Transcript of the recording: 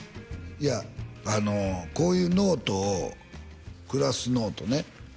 いやあのこういうノートをクラスノートね